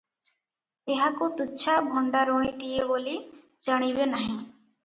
ଏହାକୁ ତୁଚ୍ଛା ଭଣ୍ତାରୁଣୀଟିଏ ବୋଲି ଜାଣିବେ ନାହିଁ ।